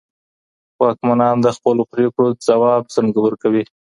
واکمنان د خپلو پرېکړو ځواب څنګه ورکوي؟